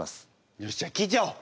よしじゃあ聞いちゃおう！